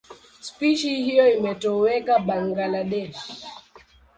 Spishi hiyo imetoweka Bangladesh.